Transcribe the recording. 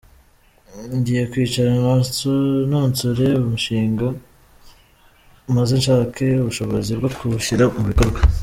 Ngiye kwicara nononsore umushinga maze nshake ubushobozi bwo kuwushyira mu bikorwa.